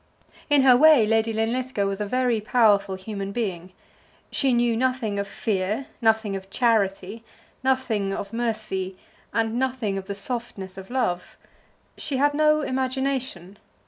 In her way Lady Linlithgow was a very powerful human being. She knew nothing of fear, nothing of charity, nothing of mercy, and nothing of the softness of love. She had no imagination.